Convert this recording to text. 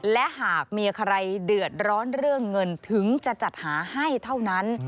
และหากมีใครเดือดร้อนเรื่องเงินถึงจะจัดหาให้เท่านั้น